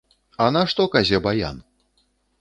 А нашто казе баян?